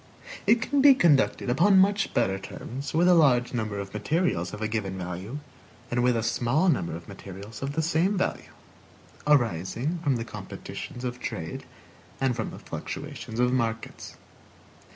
It can be conducted upon much better terms with a large number of materials of a given value than with a small number of materials of the same value; arising from the competitions of trade and from the fluctuations of markets.